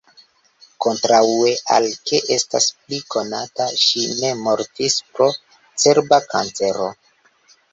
Kontraŭe al ke estas pli konata, ŝi ne mortis pro cerba kancero.